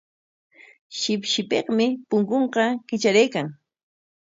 Shipshipikmi punkunqa kitraraykan.